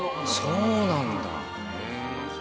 そうなんだ。